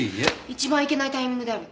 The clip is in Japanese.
一番いけないタイミングである。